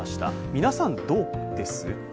皆さん、どうです？